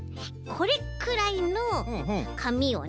これくらいのかみをね